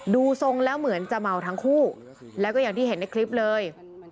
ดูทรงแล้วเหมือนจะเมาทั้งคู่แล้วก็อย่างที่เห็นในคลิปเลย